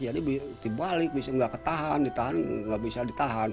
jadi dibalik nggak bisa ditahan